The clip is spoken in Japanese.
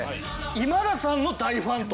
今田さんの大ファンと。